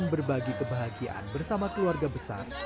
berbagi kebahagiaan bersama keluarga besar